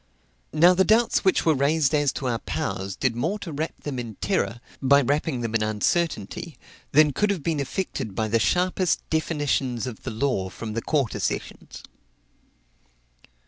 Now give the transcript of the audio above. Now the doubts which were raised as to our powers did more to wrap them in terror, by wrapping them in uncertainty, than could have been effected by the sharpest definitions of the law from the Quarter Sessions.